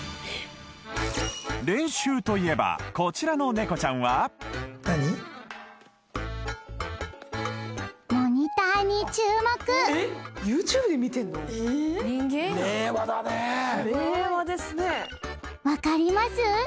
練習といえばこちらのネコちゃんはモニターに注目分かります？